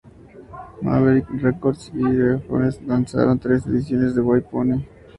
Maverick Records y Deftones lanzaron tres ediciones de "White Pony".